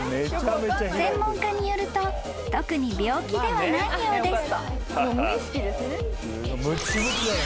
［専門家によると特に病気ではないようです］